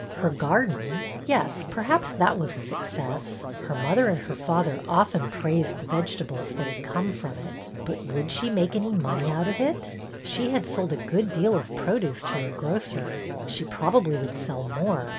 Her garden? Yes, perhaps that was a success. Her mother and her father often praised the vegetables that had come from it. But would she make any money out of it ? She had sold a good deal of produce to her grocer. She probably would sell more.